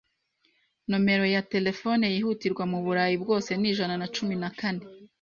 Numero ya terefone yihutirwa muburayi bwose ni ijana na cumi nakane